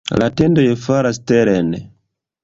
La tendoj falas teren.